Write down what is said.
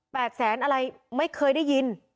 แสนอะไรไม่เคยได้ยิน